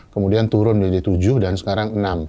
kemudian turun menjadi tujuh dan sekarang enam